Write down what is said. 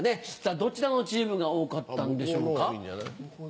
どちらのチームが多かったんでしょうか？